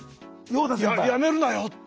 やめるなよって。